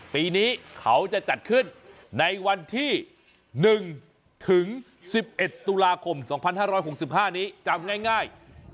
ปีนี้เขาจะจัดขึ้นในวันที่๑ถึง๑๑ตุลาคม๒๕๖๕นี้จำง่าย